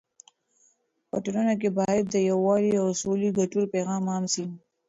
په ټولنه کې باید د یووالي او سولې ګټور پیغام عام سي.